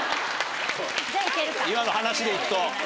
今の話で行くと。